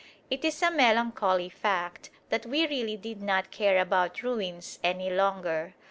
It is a melancholy fact that we really did not care about ruins any longer.